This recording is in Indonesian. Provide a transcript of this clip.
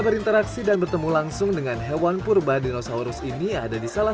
berinteraksi dan bertemu langsung dengan hewan purba dinosaurus ini ada di salah